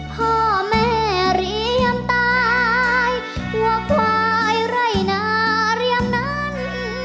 พ่อแม่เรียมตายเพื่อควายไร่นาเรียมนั้น